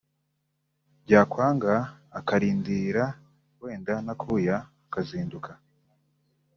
bya kwanga aka rindira wenda nakuya azahinduka